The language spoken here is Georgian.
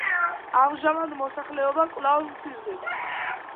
ამჟამად მოსახლეობა კვლავ მცირდება.